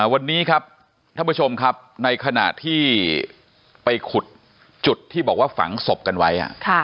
วันนี้ครับท่านผู้ชมครับในขณะที่ไปขุดจุดที่บอกว่าฝังศพกันไว้